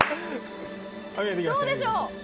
どうでしょう？